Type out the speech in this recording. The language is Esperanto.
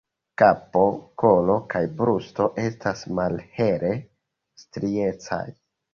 Kapo, kolo kaj brusto estas malhele striecaj.